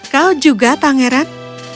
kau juga pangeran